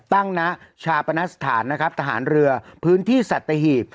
ตั้งนะชาปนสถานนะครับทหารเรือพื้นที่สัตวิทย์